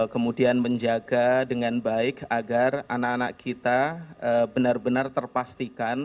kemudian menjaga dengan baik agar anak anak kita benar benar terpastikan